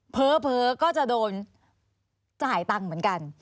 เผลอก็จะโดนจ่ายตังค์เหมือนกัน